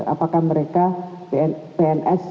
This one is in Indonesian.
apakah mereka pns